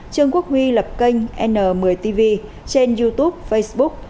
trương quốc huy lập kênh n một mươi tv trên youtube facebook